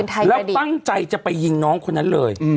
แล้วตั้งใจจะไปยิงน้องคนนั้นเลย